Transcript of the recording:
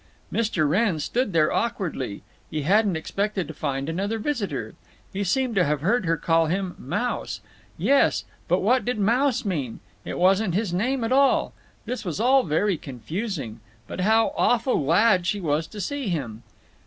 Mr. Wrenn stood there awkwardly. He hadn't expected to find another visitor. He seemed to have heard her call him "Mouse." Yes, but what did Mouse mean? It wasn't his name at all. This was all very confusing. But how awful glad she was to see him!